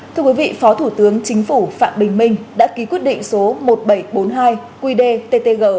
thưa quý vị phó thủ tướng chính phủ phạm bình minh đã ký quyết định số một nghìn bảy trăm bốn mươi hai qdttg